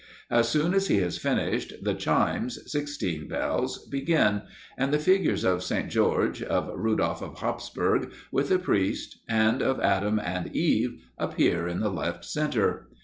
As soon as he has finished, the chimes, sixteen bells, begin, and the figures of St. George, of Rudolph of Hapsburg, with a priest, and of Adam and Eve, appear in the left center.